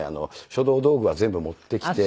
書道道具は全部持ってきて。